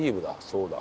そうだ。